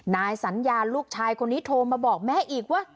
นายสัญญาลูกชายคนนี้โทรมาบอกแม่อีกว่า